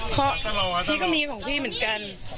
เพราะตลอดพี่ก็มีของพี่เหมือนกัน